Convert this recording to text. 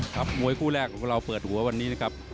มวยคู่แรกของเราเปิดหัววันนี้นะครับ